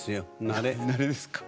慣れですか。